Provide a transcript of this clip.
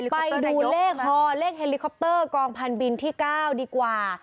ไปดูเลขฮอเลขเฮลิคอปเตอร์กองพันบินที่๙ดีกว่า